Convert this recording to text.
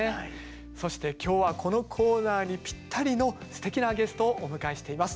そして今日はこのコーナーにぴったりのすてきなゲストをお迎えしています。